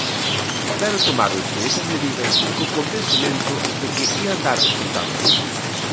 Pero tomáronse esas medidas co convencemento de que ían dar resultados.